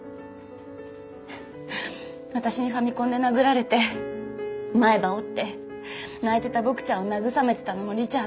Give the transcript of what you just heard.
私にファミコンで殴られて前歯折って泣いてたボクちゃんを慰めてたのもリチャード。